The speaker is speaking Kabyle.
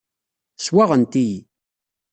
Swaɣent-iyi.